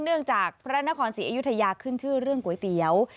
จากพระนครศรีอยุธยาขึ้นชื่อเรื่องก๋วยเตี๋ยว